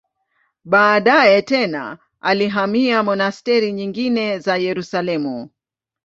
Baadaye tena alihamia monasteri nyingine za Yerusalemu.